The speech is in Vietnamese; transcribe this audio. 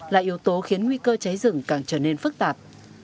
là yếu tố khiến nguy cơ cháy rừng càng trở nên phức tạp